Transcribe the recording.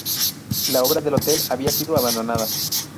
La obra del hotel había sido abandonada.